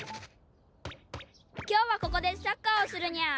きょうはここでサッカーをするニャ！